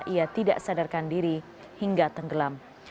ia tidak sadarkan diri hingga tenggelam